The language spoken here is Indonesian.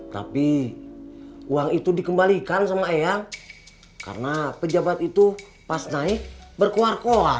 tapi uang itu dikembalikan sama ayah karena pejabat itu pas naik berkuar koar